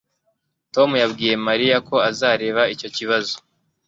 Tom yabwiye Mariya ko azareba icyo kibazo